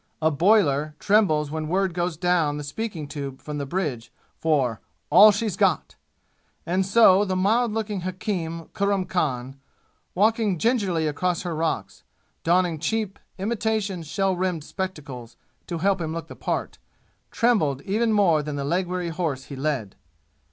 A boiler, trembles when word goes down the speaking tube from the bridge for "all she's got." And so the mild looking hakim Kurram Khan, walking gingerly across hot rocks, donning cheap, imitation shell rimmed spectacles to help him look the part, trembled even more than the leg weary horse he led.